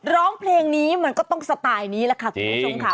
ร้องเพลงนี้มันก็ต้องสไตล์นี้แหละค่ะคุณผู้ชมค่ะ